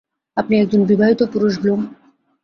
আপনি একজন বিবাহিত পুরুষ, ব্লুম।